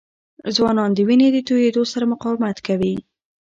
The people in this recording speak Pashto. ځوانان د وینې د تویېدو سره مقاومت کوي.